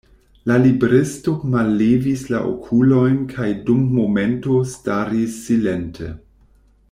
La libristo mallevis la okulojn kaj dum momento staris silente.